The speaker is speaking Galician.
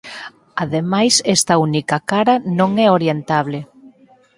Ademais esta única cara non é orientable.